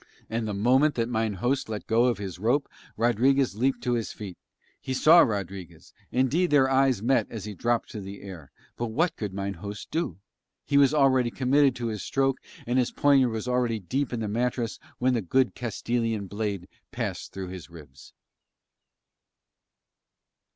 And the moment that mine host let go of his rope Rodriguez leaped to his feet. He saw Rodriguez, indeed their eyes met as he dropped through the air, but what could mine host do? He was already committed to his stroke, and his poniard was already deep in the mattress when the good Castilian blade passed through his ribs.